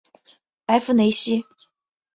埃夫雷西。